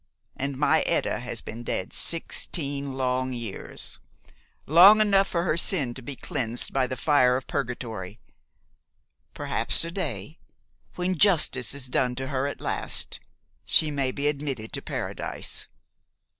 And my Etta has been dead sixteen long years, long enough for her sin to be cleansed by the fire of Purgatory. Perhaps to day, when justice is done to her at last, she may be admitted to Paradise.